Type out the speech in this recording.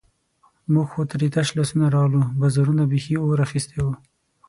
موږ خو ترې تش لاسونه راغلو، بازارونو بیخي اور اخیستی وو.